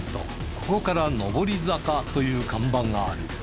「ここから上り坂」という看板がある。